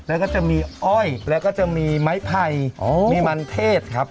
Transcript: แล้วก็จะมีอ้อยแล้วก็จะมีไม้ไผ่มีมันเทศครับ